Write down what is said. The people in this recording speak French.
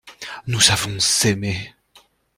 Nous avons aimé.